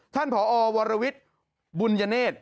ท่านผอวรวิทย์บุญเนศ